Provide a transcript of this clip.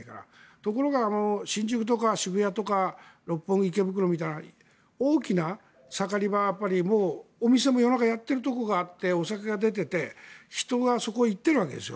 ところが新宿とか渋谷とか六本木、池袋とかは大きな盛り場はお店も夜中、やっているところがあってお酒が出ていて人がそこに行っているわけです。